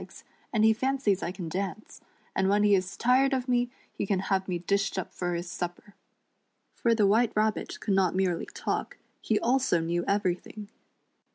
c^s, and he fancies I can dance ; and when he is tired of me he can have me dished up for his supper." For the Wiiite Rabbit could not merely talk, he also knew everything.